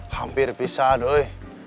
hampir pisah doi